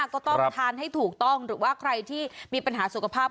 ก็ต้องทานให้ถูกต้องหรือว่าใครที่มีปัญหาสุขภาพ